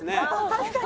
確かに！